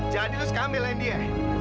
jadi lo suka ambilin dia